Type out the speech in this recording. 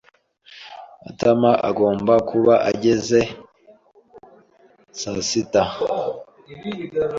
Matama agomba kuba ageze saa sita.